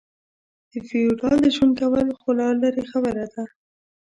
د فېوډال د ژوند کول خو لا لرې خبره ده.